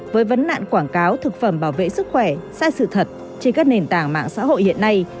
với vấn nạn quảng cáo thực phẩm bảo vệ sức khỏe sai sự thật trên các nền tảng mạng xã hội hiện nay